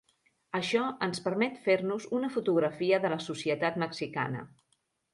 Això ens permet fer-nos una fotografia de la societat mexicana.